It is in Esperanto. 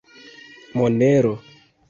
Monero.